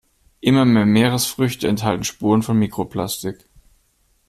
Immer mehr Meeresfrüchte enthalten Spuren von Mikroplastik.